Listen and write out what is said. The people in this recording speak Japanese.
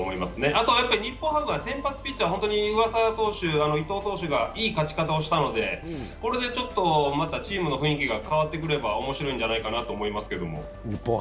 あと日本ハムは先発ピッチャー、上沢投手、伊藤投手がいい勝ち方をしたのでこれでちょっとまたチームの雰囲気が変わってくれば面白いんじゃないかなと思いますけど。